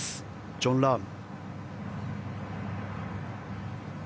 ジョン・ラーム。